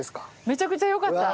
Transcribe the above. めちゃくちゃよかった！